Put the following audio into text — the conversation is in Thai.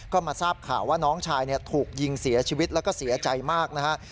ก็มาทราบข่าวว่าน้องชายถูกยิงเสียชีวิตแล้วก็เสียใจมากนะฮะ